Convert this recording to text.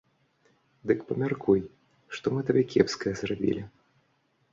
Дык памяркуй, што мы табе кепскае зрабілі?